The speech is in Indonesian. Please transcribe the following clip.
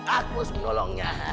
aku harus menolongnya